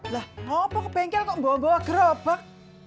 lah ngomong ke bengkel kok bawa bawa gerobak